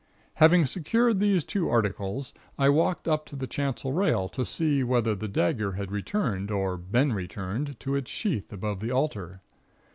"Having secured these two articles, I walked up to the chancel rail to see whether the dagger had returned, or been returned, to its sheath above the altar.